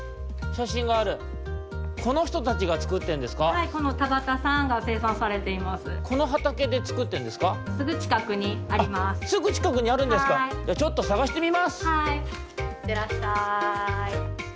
いってらっしゃい！